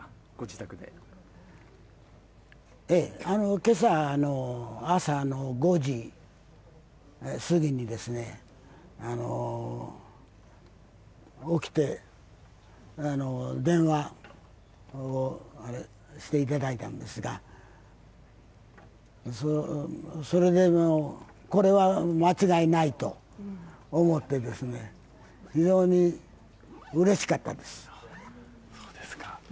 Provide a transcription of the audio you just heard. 今朝、朝の５時すぎに起きて電話をしていただいたんですがこれは間違いないと思って、非常にうれしかったです。